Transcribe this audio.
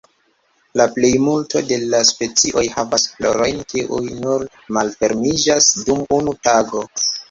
La plejmulto de la specioj havas florojn kiuj nur malfermiĝas dum unu tago.